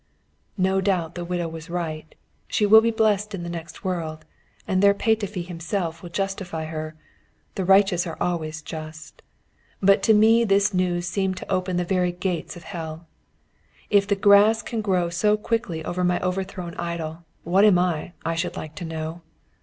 No doubt the widow was right, she will be blessed in the next world, and there Petöfi himself will justify her the righteous are always just; but to me this news seemed to open the very gates of hell. If the grass can grow so quickly over my overthrown idol, what am I, I should like to know?